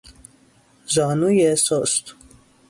زانوی سست